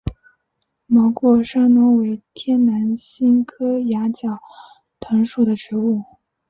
毛过山龙为天南星科崖角藤属的植物。